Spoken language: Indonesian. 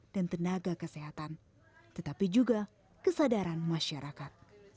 dan tenaga kesehatan tetapi juga kesadaran masyarakat